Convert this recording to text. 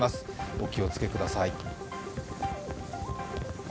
お気をつけください。